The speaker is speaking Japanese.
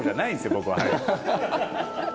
僕は。